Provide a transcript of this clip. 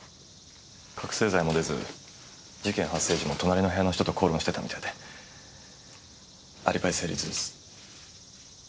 覚せい剤も出ず事件発生時も隣の部屋の人と口論してたみたいでアリバイ成立です。